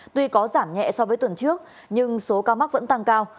tuy có giảm nhẹ so với tuần trước nhưng số ca mắc vẫn tăng cao